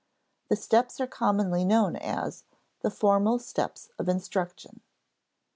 The steps are commonly known as "the formal steps of instruction."